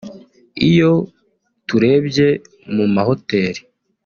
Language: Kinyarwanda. iyo turebye mu mahoteli